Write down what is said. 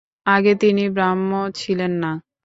আগে তিনি ব্রাহ্ম ছিলেন না?